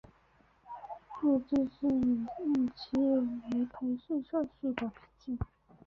日记是以日期为排列顺序的笔记。